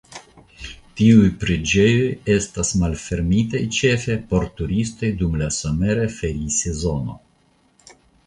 Tiuj preĝejoj estas malfermitaj ĉefe por turistoj dum la somera ferisezono.